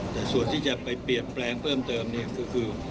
แต่ส่วนที่จะไปเปลี่ยนแปลงเพิ่มเติมเนี่ยก็คือ